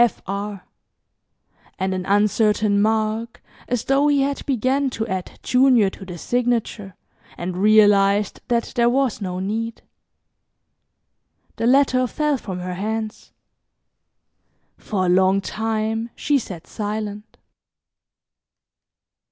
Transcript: F. R." and an uncertain mark as though he had begun to add "Jr." to the signature, and realized that there was no need. The letter fell from her hands. For a long time she sat silent.